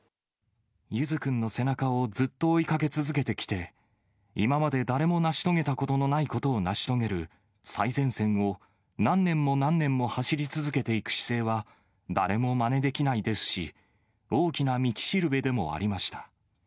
ゆづ君の背中をずっと追いかけ続けてきて、今まで誰も成し遂げたことのないことを成し遂げる最前線を何年も何年も走り続けていく姿勢は、誰もまねできないですし、大きな道しるべでもありました。